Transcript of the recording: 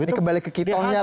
ini kembali ke kitongnya lah